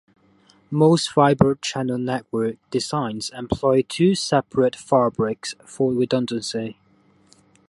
Most Fibre Channel network designs employ two separate fabrics for redundancy.